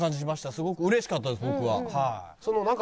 すごく嬉しかったです僕は。